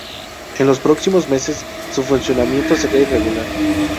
En los próximos meses su funcionamiento sería irregular.